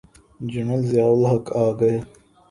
General Zia ul Haq آ گئے۔